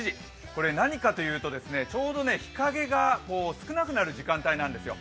これ何かというと、ちょうど日影が少なくなる時間帯なんですよ。